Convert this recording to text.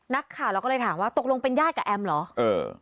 นักข่าวเราก็เลยถามว่าตกลงเป็นญาติกับแอมเหรอเออ